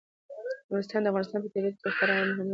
نورستان د افغانستان په طبیعت کې یو خورا مهم رول لري.